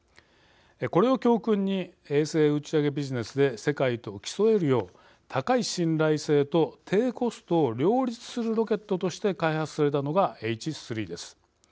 これを教訓に衛星打ち上げビジネスで世界と競えるよう高い信頼性と低コストを両立するロケットとして開発されたのがＨ３です。